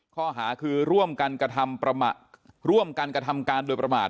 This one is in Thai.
ข้อหาคือร่วมกันกระทำร่วมกันกระทำการโดยประมาท